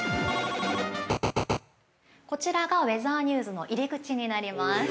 ◆こちらがウェザーニューズの入り口になります。